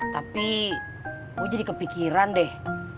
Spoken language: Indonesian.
tapi gue jadi kepikiran deh